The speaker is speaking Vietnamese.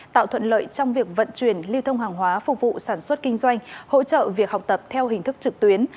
tạo thuận lợi trong việc vận chuyển lưu thông hàng hóa phục vụ sản xuất kinh doanh hỗ trợ việc học tập theo hình thức trực tuyến